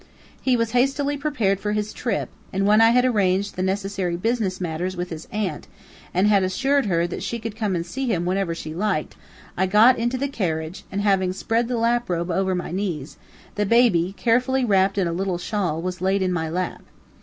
He was hastily prepared for his trip, and when I had arranged the necessary business matters with his aunt, and had assured her that she could come to see him whenever she liked, I got into the carriage, and having spread the lap robe over my knees, the baby, carefully wrapped in a little shawl, was laid in my lap.